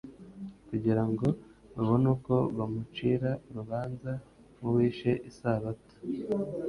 kugira ngo babone uko bamucira urubanza nk’uwishe Isabato.